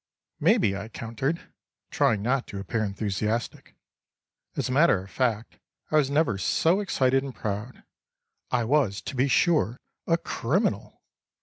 "Maybe," I countered, trying not to appear enthusiastic. As a matter of fact I was never so excited and proud. I was, to be sure, a criminal!